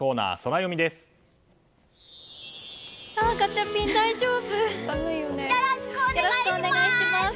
よろしくお願いします！